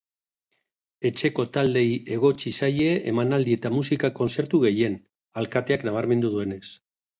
Etxeko taldeei egotzi zaie emanaldi eta musika kontzertu gehien, alkateak nabarmendu duenez.